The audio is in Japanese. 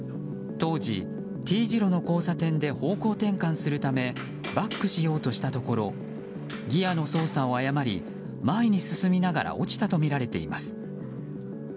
当時、Ｔ字路の交差点で方向転換しようとしたところバックしようとしたところギアの操作を誤り前に進みながら落ちたとみられています。